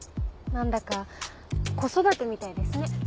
何だか子育てみたいですね。